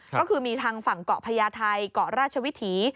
ก็คือมีทางฝั่งเกาะพญาไทยเกาะราชวิถี